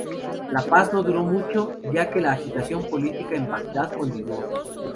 La paz no duró mucho, ya que la agitación política en Bagdad continuó.